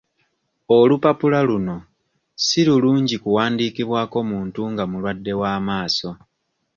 Olupapula luno si lulungi kuwandiikibwako muntu nga mulwadde w'amaaso.